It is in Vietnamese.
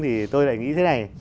thì tôi lại nghĩ thế này